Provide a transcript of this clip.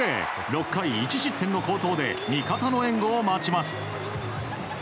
６回１失点の好投で味方の援護を待ちます。